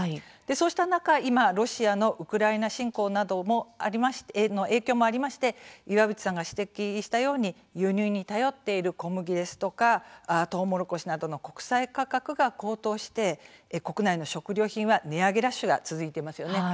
そうした中今ロシアのウクライナ侵攻などの影響もありまして岩渕さんが指摘したように輸入に頼っている小麦ですとかとうもろこしなどの国際価格が高騰して国内の食料品は値上げラッシュが続いていますよね。